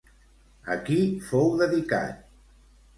A qui fou dedicat?